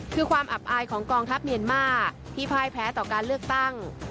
คือความอับอายของกองทัพเมียนมาที่พ่ายแพ้ต่อการเลือกตั้ง